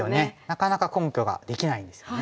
なかなか根拠ができないんですよね。